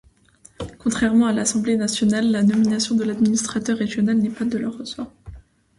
Contrairement à l'Assemblée nationale, la nomination de l'administrateur régional n'est pas de leur ressort.